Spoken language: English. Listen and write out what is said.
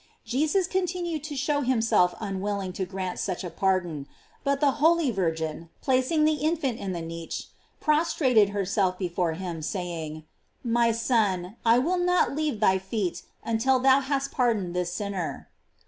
Jesus continued to show himself un willing to grant such a pardon, but the holy Virgin, placing the infant in the niche, prostrat ed herself before him, saying : "My Son, I will not leave thy feet until thou hast pardoned this sinner."